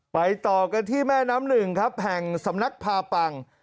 ต่อกันที่แม่น้ำหนึ่งครับแห่งสำนักพาปัง